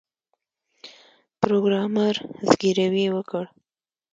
پروګرامر زګیروی وکړ